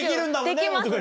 できます